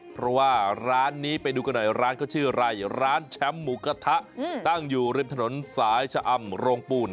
เพราะว่าร้านนี้ไปดูกันหน่อยร้านเขาชื่ออะไรร้านแชมป์หมูกระทะตั้งอยู่ริมถนนสายชะอำโรงปูน